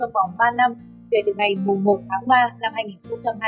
trong vòng ba năm kể từ ngày một tháng ba năm hai nghìn hai mươi hai